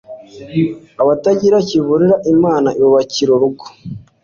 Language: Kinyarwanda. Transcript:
abatagira kivurira, imana ibubakira urugo